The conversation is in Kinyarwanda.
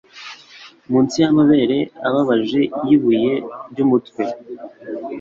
Munsi yamabere ababaje yibuye ryumutwe